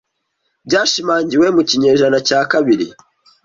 byashimangiwe mu kinyejana cya kabiri